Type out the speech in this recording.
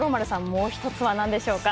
もう一つは何でしょうか？